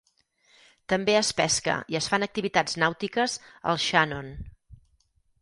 També es pesca i es fan activitats nàutiques al Shannon.